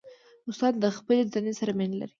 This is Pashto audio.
استاد د خپلې دندې سره مینه لري.